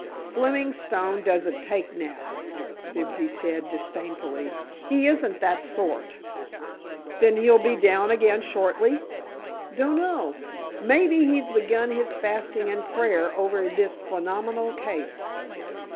"Fleming Stone doesn't take naps," Fibsy said, disdainfully; "he isn't that sort." "Then he'll be down again shortly?" "Dunno. Maybe he's begun his fasting and prayer over this phenomenal case."